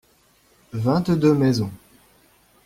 Vingt-deux maisons.